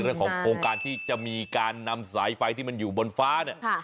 เรื่องของการที่จะมีการนำสายไฟที่มันอยู่บนฟ้าเนี่ย